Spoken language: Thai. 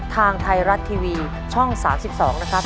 ทางไทยรัฐทีวีช่อง๓๒นะครับ